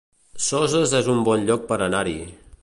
Soses es un bon lloc per anar-hi